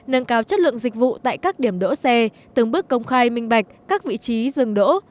nâng cao chất lượng dịch vụ tại các điểm đỗ xe từng bước công khai minh bạch các vị trí dừng đỗ